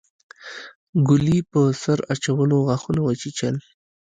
ګلي په سر اچولو غاښونه وچيچل.